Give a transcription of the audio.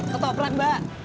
kau tau pelan mbak